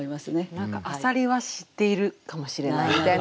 何か浅蜊は知っているかもしれないみたいな。